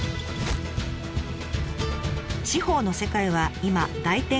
司法の世界は今大転換期。